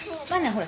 ほら。